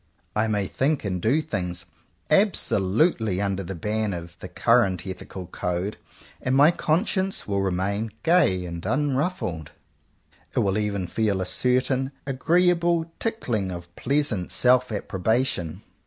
I may think and do things absolutely under the ban of the current ethical code, and my conscience will remain gay and unruffled — it will even feel a cer tain agreeable tickling of pleasant self approbation.